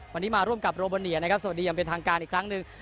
วันนี้มาร่วมกับโรโบเนียนะครับสวัสดีอย่างเป็นทางการอีกครั้งหนึ่ง